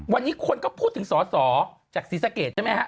วันนี้คนก็พูดถึงสอสอจากศรีสะเกดใช่ไหมฮะ